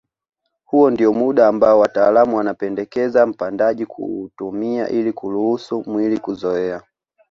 Huo ndio muda ambao wataalam wanapendekeza mpandaji kuutumia ili kuruhusu mwili kuzoea